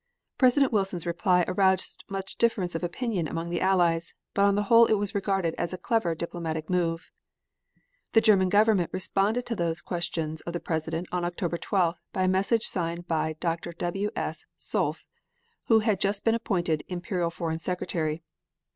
President Wilson's reply aroused much difference of opinion among the Allies, but on the whole was regarded as a clever diplomatic move. The German Government responded to these questions of the President on October 12th, by a message signed by Dr. W. S. Solf, who had just been appointed Imperial Foreign Secretary.